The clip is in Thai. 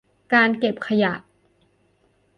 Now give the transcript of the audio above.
การเก็บขยะ